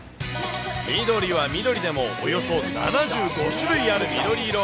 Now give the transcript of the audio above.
緑は緑でも、およそ７５種類ある緑色。